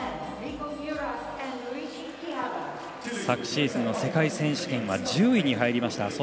昨シーズンの世界選手権は１０位に入りました。